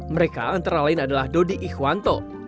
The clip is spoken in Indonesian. mereka antara lain adalah dodi ikhwanto